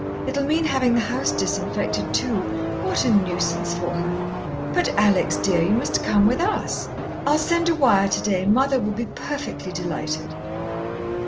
It'll mean having the house disinfected, too what a nuisance for her. But, Alex, dear, you must come with us! I'll send a wire today mother will be perfectly delighted."